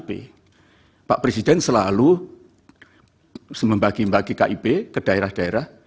pak presiden selalu membagi bagi kib ke daerah daerah